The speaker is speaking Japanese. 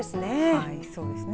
はい、そうですね。